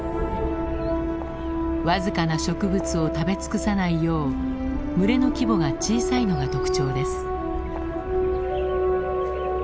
僅かな植物を食べ尽くさないよう群れの規模が小さいのが特徴です。